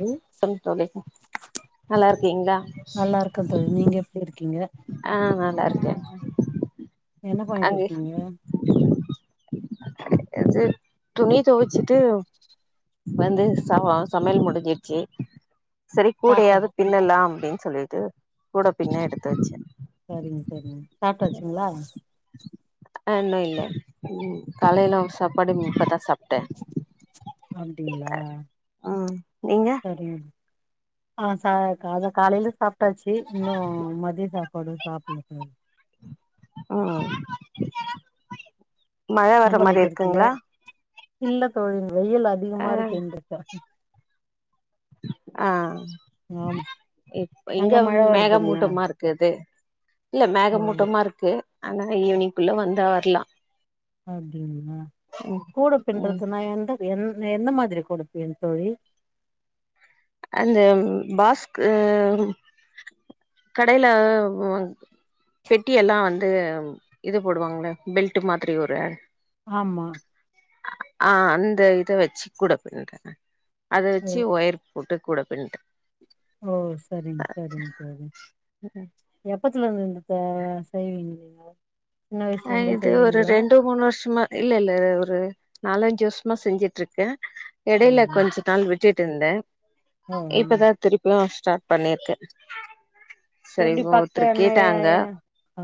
ழி கம் தோழி நல்லா இருக்கீங்ளா க்கம் தோழி நீங்க எப்டி இருக்கீங்க ஆ நல்லா இருக்கே என்ன பண்ணிட் இருக்கீங்க அ சே துணி துவச்சிட்டு வந்து ச சமையல் முடிஞ்சிருச்சு சரி சாப்ட்ட கூடயாது பின்னலா அப்டின் சொல்லிட்டு கூட பின்ன எடுத்து வச்ச சரிங்க சரிங்க சாப்ட்டாச்சுங்ளா ஆ இன்னு இல்ல காலைலா சாப்பாடு இப்பத்தா சாப் அப்டிங்ளா ம் நீங்க சரி ஆ ச கஅதா காலையில சாப்ட்டாச்சு இன்னு மதியோ சாப்பாடு சாப்பல்ல தோழி ஆ மழ என்ன வர்ற மாரி பண்ணிட்டு இருக்கீங்க இருக்குங்ளா இல்ல தோழி வெயில் ஆ அதிகமா இருக்கு இக்கட்ட ஆ ஆமா இப் அங்க இங்க மழ வருதுங்களா மேகமூட்டமா இருக்குது இல்ல ஓ மேகமூட்டமா இருக்கு ஆனா ஈவினிங் குள்ள வந்தா வரலா அப்டிங்ளா ம் ம் கூடப்பின்றதுன்னா எந்த என் எந்த மாதிரி கூடப்பின் தோழி அந்த பாஸ்க்கு கடைல வாங் பெட்டி எல்லா வந்து இது போடுவாங்கள பெல்ட்டு மாதிரி ஒரு ஆமா ஆ அந்த இத வச்சு கூட பின்றது அத ஓ வச்சு ஒயர் போட்டு கூட பின்ட்டு ஓ சரிங்க சரிங்க தோழி எப்பத்துல இருந்து இந்த ப செய்வீங்க நீங்க சின்ன வயசுல ஆ இருந்தே இது ஒரு செய்வீங்களா ரெண்டு மூணு வருஷமா இல்ல இல்ல ஒரு நாலஞ்சு வருஷமா செஞ்சுட்ருக்க எடையில ம் கொஞ்ச நாள் விட்டு இருந்த ஓ இப்பதா திருப்பியு ஸ்டார்ட் பண்ணிருக்க சரி எப்டி இங்க பக்க ஒருத்தர் என்ன கேட்டாங்க ஆ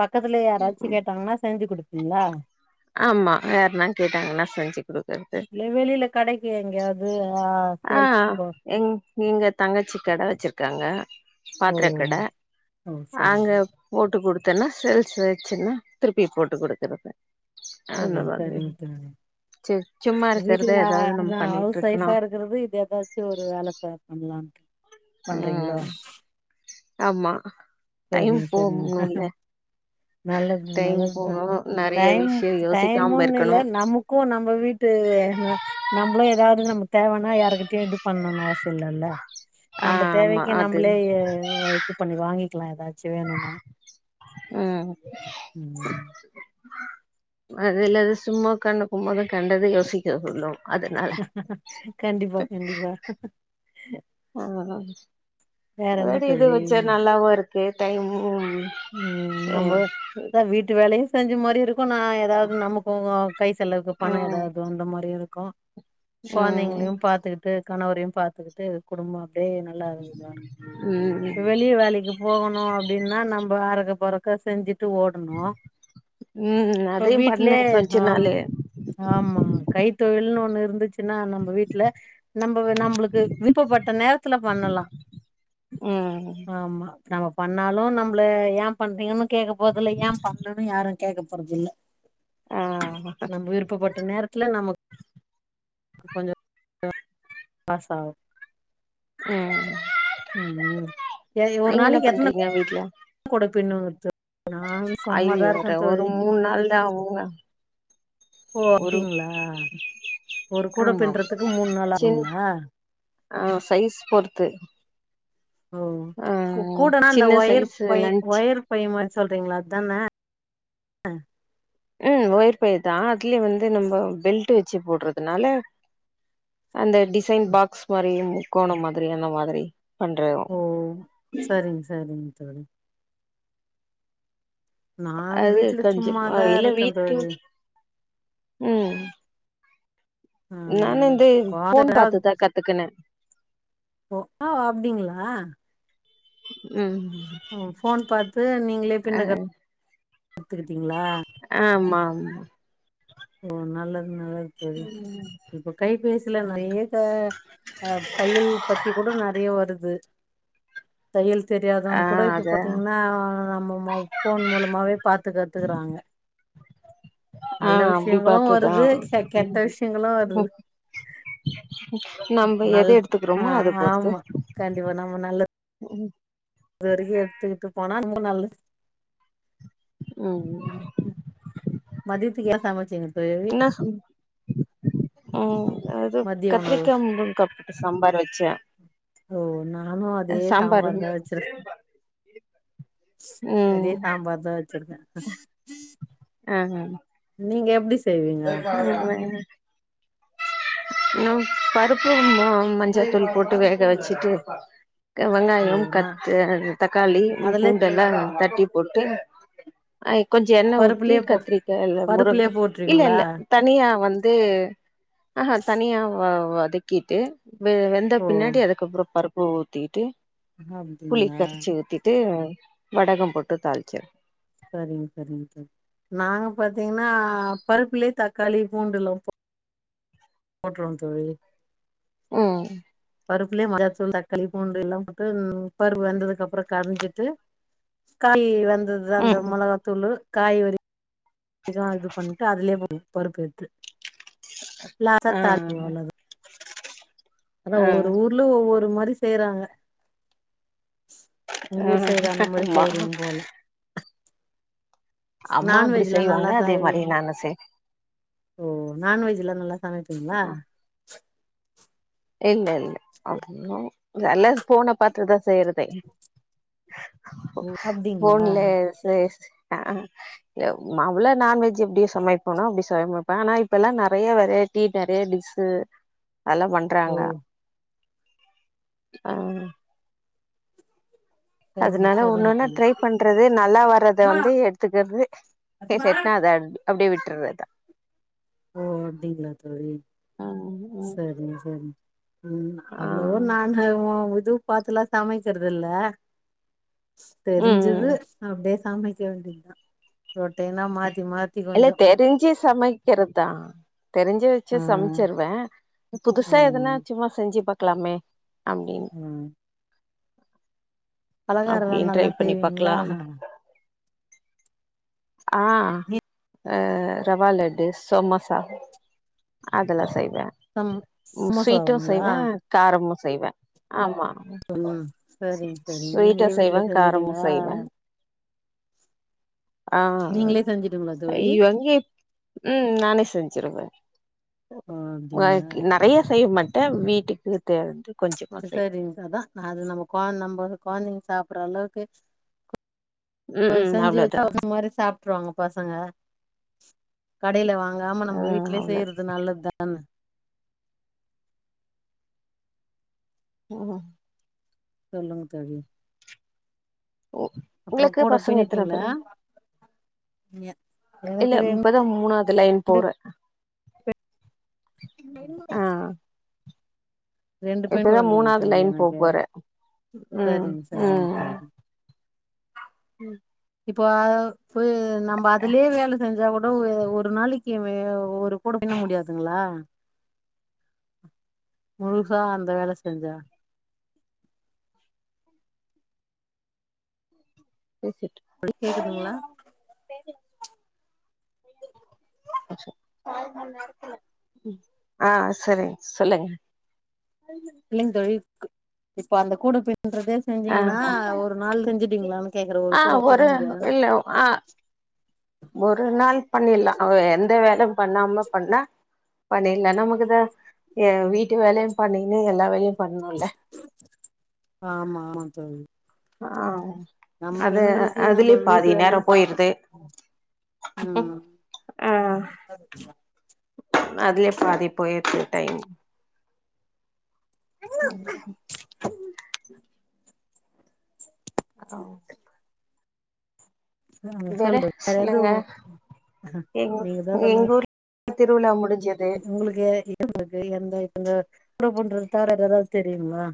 பக்கத்துல யாராச்சு கேட்டாங்கன்னா செஞ்சு குடுப்பீங்ளா ஆமா யார்ன்னா கேட்டாங்கன்னா செஞ்சு குடுக்கறது இல்ல வெளியில கடைக்கு எங்கேயாவது ஆ ஆ சேல்ஸ் போ எங் எங்க தங்கச்சி கட வச்சிரு க்காங்க ஓ பாத்தர கட ஓ அங்க சரிங்க போட்டு குடுத்தன்னா செல்ஸ் வச்சுன்னா திருப்பி போட்டு குடுக்கறது சரிங்க சரிங்க தோழி சேர் சும்மா இருக்கிறத வீட்டுல ஏதாவது நம்ம அதா பண்ணிட்டு ஹவுஸ் இருக்கணு சைபா இருக்கிறது இது எதாச்சுஒரு வேல சேரண்ணலாம்ட்டு ம் ஆமா டைம் சரிங்க சரிங்க போகணு இல்ல நல்லது டைம் நல்லதுதா நெறைய டைம் விஷய யோசிக்காம டைமுன்னு இல்ல இருக்கணு நமக்கு க்கு நம்ம வீட்டு நம்மளு ஏதாவது நம தேவைனா யாரு்கிட்டயவது இது பண்ணு அவசி இல்ல இல்ல ஆ நம்ம ஆமா தேவைக்கு அது நம்மளே இது பண்ணி வாங்கிக்கலா ஏதாச்சு வேணும்னா ம் ம் அதில்து சும்மா உக்கத்து இருக்க போது கண்டது யோசிக்க சொல்லு அதனால கண்டிப்பா கண்டிப்பா ஆஹ வேற என்ன அடி இது தோழி வச்ச நல்லாவு இருக்கு டைமும் ம் நம அத வீட்டு வேலையு செஞ்ச மாரி இருக்கு நா ஏதாவது நமக்கு கை செலவுக்கு பணம் ம் ஏதாவது அந்த மாரி இருக்கு ம் குழந்தைங்களையு பாத்துக்கிட்டு கணவரையு பாத்துக்கிட்டு குடும்ப அப்டியே நல்லா இதா ம் இருக்கு வெளியே வேலைக்கு போகணு அப்டின்னா நம்ம அரக்க பறக்க செஞ்சுட்டு ஓடனு ம் இப்ப அதையு பண்ணே வீட்லயே கொஞ்ச ஆஹ் நாளு ஆமா கைத்தொழில்னு ஒண்ணு இருந்துச்சு நம்ம வீட்டுல நம்ம நம்மளுக்கு விருப்பப்பட்ட நேரத்துல பண்ணலா ம் ஆமா நம்ம பண்ணாலு நம்மள ஏன் பண்றேங்கனு கேட்க போறதில்லா ஏன் பண்ணும்னு யாரு கேக்க போறது இல்ல ஆ நம்ம விருப்பப்பட்ட நேரத்துல நம கொஞ்சோ பாச ஆ ம் உ ஒரு நாளைக்கு எத்தனை ஏ வீட்லா கொட பின்னுங்க தோழி நானு ஐயோ சும்மாதா இருக்கே ஒரு ஒரு தோழி மூண் நாள் தா ஆகுங்க ஓ ஒரு அப்படிங்களா ஒரு கூட ஆமாம் பின்னுறதுக்கு மூணு நாள் சின் ஆகுங்களா சைஸ் பொறுத்து ஓ ஆ கூ கூடனா அந்த சின்ன ஒயர் சைஸு பை லன்ச் ஒயர் பை மாரி சொல்றீங்களா அதுதானே ம் ஒயிர் பையி தா அதுலயே வந்து நம்ம பெல்ட் வச்சு போடுறதுனால அந்த டிசைன் பாக்ஸ் மாரி முக்கோண மாரி அந்த மாரி பண்றோ ம் சேரிங்க தோழி நான் அது வீட்ல கொஞ்சோ ஆ சும்மாதா இல்ல இருக்கே வீட்டு தோழி ம் நா ம் வந்து போன் கொழந்த பாத்துதா கத்துக்கனே ஆ அப்டிங்களா ம் ஓ போன் பாத்து நீங்களே பின்ன ஆ கத் கத்துக்கிட்டேங்களா ஆமா ஆமா ஓ நல்லது நல்லது தோழி இப்ப கைபேசிலா [unintelligible] ஹ தையல் பத்தி கூட நெறய வருது தையல் ஆ தெரியாதவங்க கூட இப்ப அத பாத்தீங்கன்னா நம்ம போ போன் மூலமாவே பாத்து கத்துக்குறாங்க ஆ நல்ல விஷய அப்டி விஷயங்களு பாத்துதா வருது கெட்ட விஷயங்களு வருது நம்ம எது நல்ல எடுத்துக்கிறோமோ அத ஆஹ் ஆமா கண்டிப்பா நம்ம நல்ல ம் ம் துருகி எடுத்துக்கிட்டுப் போனா இன்னு நல்லது ம் ம் மதியத்துக்கு ஏ சமைச்சனு [unintelligible] ன்னாசு ஆ அது மதிய உணவு கத்திரிக்கா முருங்காப்போட்டு சாம்பார் வச்ச ஓ நானு அதே சாம்பார் தா வச்சர அதே ம் சாம்பார் தா வச்சிருக்க ஆ நீங்க எப்டி செய்வீங்க [inaudible] ம் பருப்பு ம மஞ்சத்தூள் போட்டு வேக வச்சுட்டு வெங்காயோ ஓ நா கத்து தக்காளி அதுல பூண்டெல்லா தட்டி போட்டு ஆ கொஞ்ச எண்ண ஊத்தி பருப்புலயே போ கத்திரிக்காய் இல்ல பருப்புலயே முருங்கா இல்ல போட்ருவீங்களா இல்ல தனியா வந்து ஆஹ தனியா வ வதக்கிட்டு வே வெந்த ஓ பின்னாடி அதுக்கப்புற பருப்பு ஊத்திட்டு புளி அப்டிங்களா கரைச்சி ஊத்தி ட்டு வடகம் போட்டு தாளிச்சி சரிங்க சரிங்க தோழி நாங்க பாத்தீங்ன்னா பருப்புலே தக்காளி பூண்டுலா போ போட்ருவோ தோழி ம் பருப்புலே மொராச்சூல் தக்காளி பூண்டு எல்லா போட்டு பருப்பு வெந்ததுக்கு அப்றோ கரஞ்சிட்டு காய் வெந்துதா அந்த ம் மொளகாத்தூளு காய் வரி இதா இது பன்ட்டு அதுலே பருப்பு எத்து ஆ ஆனா ஆ ஒரு ஊர்ல ஒவ்வொரு மாரி செய்றாங்க உங்க ஆ ஊர் சைடு அந்த மாரி அம்மா செய்றீங்போல அம்மா அப்டி நான்வெஜ்லா செய்வாங்க நல்லா அதே மாரி சாய்வீங் நானு செய் ஓ நான்வெஜ்ல்லா நல்லா சமைப்பிங்ளா இல்ல இல்ல அப்புனோ எல்லா ஃபோன பாத்துதா செய்றதே ஓ அப்டிங்களா ஃபோன்லே ஸ் அ யே மவ்ள நான்வெஜ் எப்டி சமைப்போனா அப்படி சமைப்ப ஆனா இப்பெல்லா நெறயா வெரைட் டி நெறைய டிஸ்ஸு அதெல்லா பண் ஓ றாங்க அ சரிங் அதனால சரிங் ஒன்னொன்னா தோழி ட்ரைப் பண்றது நல்லா வர்றத ஓ வந்து எடுத்துக்கிறது பே செட்னா அத அப்டே விட்றது ஓ அப்டிங்ளா தோழி ம் ம் சரிங் சரிங் ம் ஆ அவ்ளோவு நான்லா இது பாத்துலா சமைக்கறது இல்ல ம் தெரிஞ்சிது ம் அப்டே சமைக்க வேண்டி தா ரொட்டீனா மாத்தி மாத் இல்ல தெரிஞ்சு சமைக்கிறதா தெரிஞ்சு ஆ வச்சு சமை செர்வ புதுசா எதனா ம் சும்மா செஞ்சு பாக்கலாமே அப்டின் ம் பலகாரம்லா அப்டின்னு ட்ரை நல்லா பண்ணி செய்வீங்ளா பாக்கலா ஆ ஹ ரவாலெட்டு சோமாசா அதெல்லா செய்வ சம் ம் ஸ்வீட்டு சமோசாவுங்களா செய்வ காரமு செய்வ ஆமா ம் சரிங் சரிங் ஸ்வீட்டு நீங்களே வீட்ல செய்வே காரமு செஞ்சுட்டிங்ளா செய்வே ஆ நீங்களே செஞ்சுடுவீங்களா தோழி இவங்கே ம் நானே செஞ்சிருவேன் ஓ நெறையா செய்ய மாட் டே வீட்டுக்கு தேவன்ட்டு செரிங்க சா அதா அது நம்ம கொ நம்ம கொழந்தைங்க சாப்புடுற அளவுக்கு ம் ம் பெசஞ்சி அவ்ளோதா வச்சா ஒரு மாரி சாப்பிட்டுருவாங்க பசங்க கடையில வாங்காம நம்ம ம் வீட்லயே அவ்ளோ செய்றது நல்லதுதானே ஆமா சொல்லுங்க தோழி அப்றோ உங்களுக்கு கூட பசங்க எத்தன பின்னிட்டீங்களா பேரு அ நீங்க இல்ல இப்பதா மூணாவது லைன் போறன் ரெண்டு பெண் இப்பதா குழந்தைகள் மூணாவது தோழி லைன் போ எனக்கு போறேன் ம் சரிங்க சரிங்க தோழி இப்ப ஃபுல் நம் அதுலே வேலை செஞ்சா கூ ஒரு நாளைக்கு ஒரு கூட பின்ன முடியாதுங்களா முழுசா அந்த வேலை செஞ்சா பேசிட்டு கேக்குதுங்களா ஆ செரி சொல்லுங்க [unintelligible] இல்லங்க தோழி க் இப்ப அந்த கூட பின்றது ஆ செஞ்சீங்கன்னா ஒரு நாள் செஞ்சுட்டீங்களான்னு கேக்குற ஒரு ஆ கூட பின்ன முடியாது இல்ல ஆ ஒரு நாள் பண்ணிடலாம் எந்த வேலையும் பண்ணாம பண்ணா பண்ணிடலாம் நமக்குதா வீட்டு வேலையும் பண்ணீன்னு எல்லா வேலையும் பண்ணும்ல ஆமா ஆமா தோழி ஆ நம்ம அது பெண்களுக்கு நம்ம அதுலயும் வீட்டு பாதி வேலையு நேரம் பாக்கணு போயிருது ம் ஆ அதுலயே பாதி போய்டுது டைம் ம் உ ஆ வேற சொல்லு சொல்லுங்க எதுவு எ நீங்க தா எங்க சொல்லுங்க ஊர் திருவிழா முடிஞ்சது உங்களுக்கு எங்களுக்கு எந்த எந்த [unintelligible] பண்றது தவ ஏதாது தெரியுமா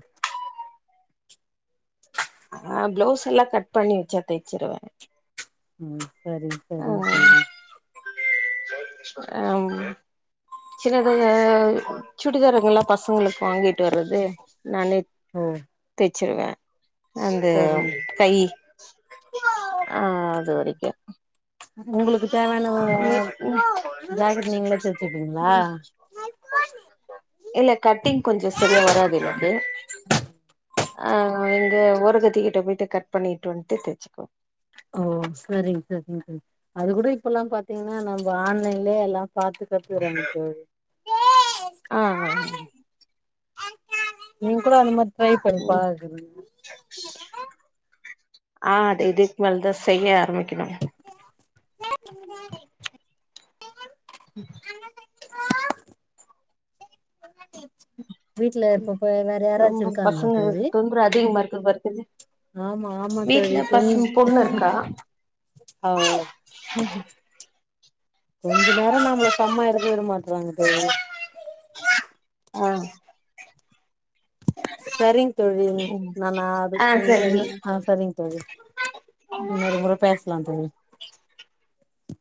ஆ ப்ளவுஸ் எல்லா கட் பண்ணி வச்சா தச்சிருவேன் ம் செரி செரிங் தோழி ஆ ம் சின்னதா சுடிதாருங்கள் எல்லாம் பசங்களுக்கு வாங்கிட்டு வர்றது நானே ஒ தச்சுருவேன் அந்த சரிங்க கை ஆ அது வரைக்கும் உங்களுக்கு தேவையான ம் ம் ஜாக்கெட் நீங்களே தச்சுப்பீங்களா இல்ல கட்டிங் கொஞ்சம் செரியா வராது எனக்கு ஆ எங்க ஒரகத்திக்கிட்ட போயிட்டு கட் பண்ணிட்டு வந்துட்டு தைச்சுக்கோ ஓ செரிங் செரிங்க தோழி அது கூட இப்ப எல்லா பாத்தீங்கன்னா நம்ம ஆன்லைன்லயே எல்லாம் பாத்து கத்துக்குறங்கா தோழி ஆ நீங்களும் அந்த மாரி ட்ரை பண்ணி பாருங்க ஆ அது இதுக் மேல தா செய்ய ஆரம்பிக்கணு ம் வீட்ல இப்பப்ப வேற யாராச்சு இருக்காங்ளா தோழி ப்ரூ அதிகமா இருக்கா பாத் சொல்லு ஆமா ஆமா தோழி கொஞ் பொண்ணு ஆமா ஹஹ கொஞ்ச நேரோ நம்மள செம்மா இருக்க விட மாட்றாங்க தோழி ஆ சரிங் தோழி ம் நா நா ஆ அதுக் ம் சரி ஆ சரிங் தோழி ம் ஒரு முற பேசலா தோழி